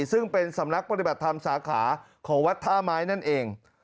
ซึ่งเป็นสำนักปฏิบัติธรรมสาขาของวัดท่าไม้นั่นเอง